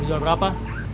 mau jual berapa